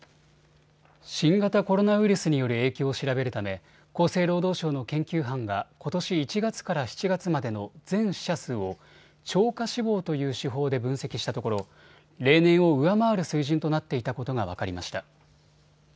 新型コロナウイルスによる影響を調べるため厚生労働省の研究班がことし１月から７月までの全死者数を超過死亡という手法で分析したところ例年を上回る水準となっていたことが分かりました。